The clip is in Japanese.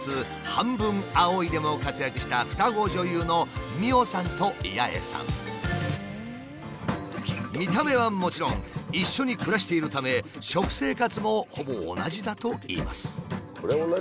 「半分、青い。」でも活躍した双子女優の見た目はもちろん一緒に暮らしているため食生活もほぼ同じだといいます。